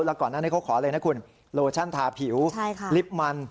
แล้วก่อนนั้นเขาขอเลยนะคุณโลชั่นทาผิวลิปมัน